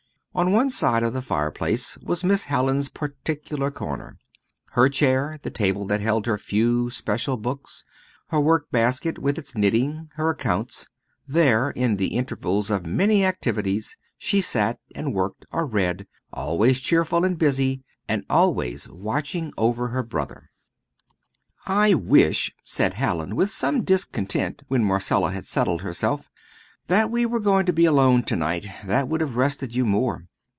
On one side of the fireplace was Miss Hallin's particular corner; her chair, the table that held her few special books, her work basket, with its knitting, her accounts. There, in the intervals of many activities, she sat and worked or read, always cheerful and busy, and always watching over her brother. "I wish," said Hallin, with some discontent, when Marcella had settled herself, "that we were going to be alone to night; that would have rested you more."